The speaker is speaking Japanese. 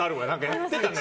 やってたわ。